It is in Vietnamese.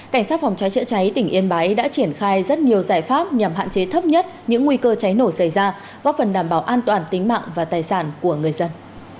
cảnh sát phòng cháy chữa cháy tỉnh yên bái đã triển khai rất nhiều giải pháp nhằm hạn chế thấp nhất những nguy cơ cháy nổ xảy ra góp phần đảm bảo an toàn tính mạng và tài sản của người dân